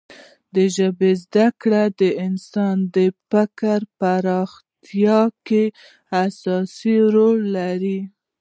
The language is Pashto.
د ژبې زده کړه د انسان د فکر پراختیا کې اساسي رول لري.